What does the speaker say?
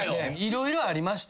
色々ありまして。